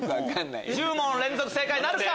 １０問連続正解なるか？